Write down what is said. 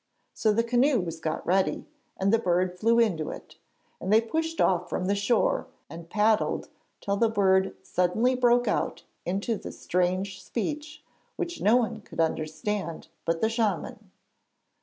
So the canoe was got ready, and the bird flew into it, and they pushed off from the shore, and paddled till the bird suddenly broke out into the strange speech, which no one could understand but the shaman.